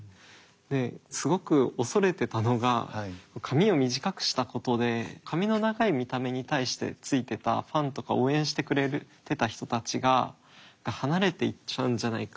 ですごく恐れてたのが髪を短くしたことで髪の長い見た目に対してついてたファンとか応援してくれてた人たちが離れていっちゃうんじゃないかっていう。